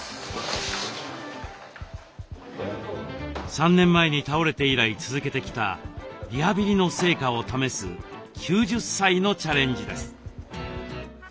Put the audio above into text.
３年前に倒れて以来続けてきたリハビリの成果を試す９０歳のチャレンジです。